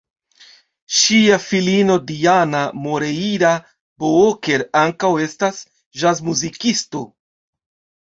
Ŝia filino Diana Moreira-Booker ankaŭ estas ĵazmuzikisto.